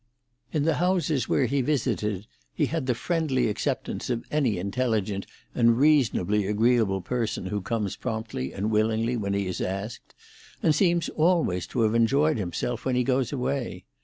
In the houses where he visited he had the friendly acceptance of any intelligent and reasonably agreeable person who comes promptly and willingly when he is asked, and seems always to have enjoyed himself when he goes away.